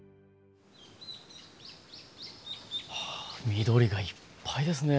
はあ緑がいっぱいですね。